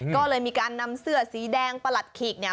ก็เลยมีการนำเสื้อสีแดงประหลัดขีกเนี่ย